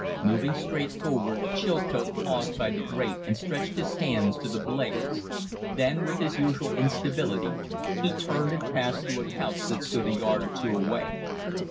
Moving straight forward, Chilcote paused by the grate and stretched his hands to the blaze; then, with his usual instability, he turned and passed to a couch that stood a yard or two away.